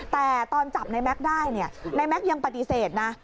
แต่ตอนจับในแม็กซ์ได้ในแม็กซ์ยังปฏิเสธนะ